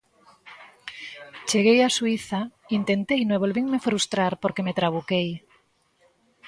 Cheguei a Suíza, intenteino e volvinme frustrar porque me trabuquei.